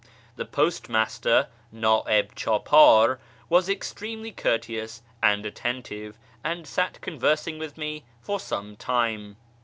The postmaster {nd'ih chdpdr) was extremely courteous and atten tive, and sat conversing with me for some time.